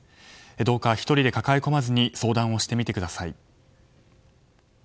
どうか１人で抱え込まずに相談をしてみてください。